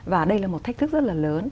và đây là một thách thức rất là lớn